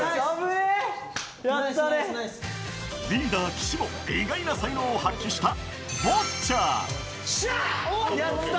リーダー、岸も意外な才能をしゃっ！